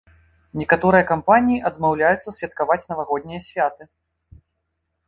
Некаторыя кампаніі адмаўляюцца святкаваць навагоднія святы.